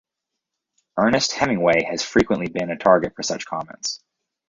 Ernest Hemingway has frequently been a target for such comments.